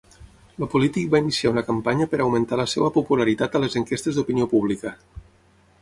El polític va iniciar una campanya per augmentar la seva popularitat a les enquestes d'opinió pública.